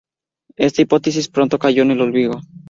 Esta hipótesis pronto cayó en el olvido.